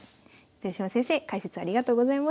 豊島先生解説ありがとうございました。